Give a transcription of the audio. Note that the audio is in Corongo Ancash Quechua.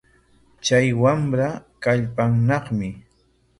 Chay wamra kallpaanaqmi.